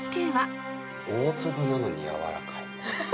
大粒なのにやわらかい。